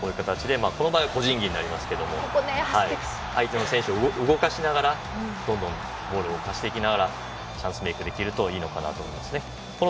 この場合は個人技になりますが相手の選手を動かしながらどんどんボールを動かしてチャンスメークできるといいのかなと思いますね。